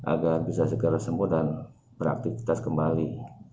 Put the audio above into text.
agar bisa segera sembuh dan beraktivitas kembali